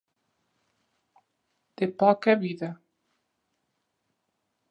De poca vida.